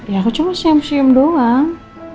ya aku cuma senyum senyum doang